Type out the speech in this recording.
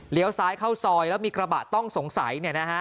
ซ้ายเข้าซอยแล้วมีกระบะต้องสงสัย